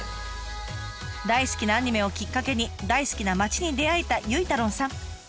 大好きなアニメをきっかけに大好きな町に出会えたゆいたろんさん。